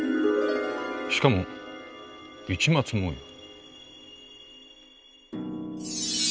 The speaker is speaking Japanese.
しかも市松模様。